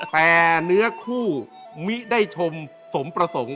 แต่เนื้อคู่มิได้ชมสมประสงค์